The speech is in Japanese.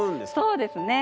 そうですね。